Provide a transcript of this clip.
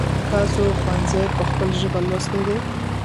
تاسو ښونځی په خپل ژبه لوستی دی ؟